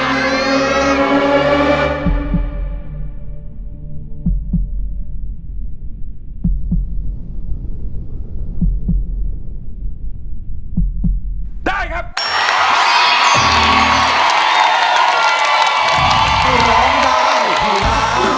ร้องได้ให้ร้อง